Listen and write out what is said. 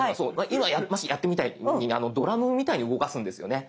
今やったみたいにドラムみたいに動かすんですよね。